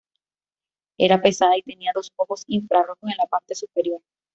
Era pesada y tenía dos "ojos" infra-rojos en la parte superior.